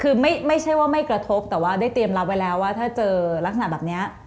คือไม่ใช่ว่าไม่กระทบแต่ว่าได้เตรียมรับไว้แล้วว่าถ้าเจอลักษณะแบบนี้